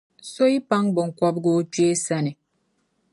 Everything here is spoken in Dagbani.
so yi paŋ biŋkɔbigu o kpee sani.